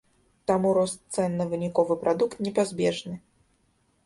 Таму рост цэн на выніковы прадукт непазбежны.